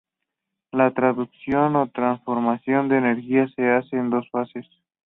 La transducción o transformación de energía se hace en dos fases.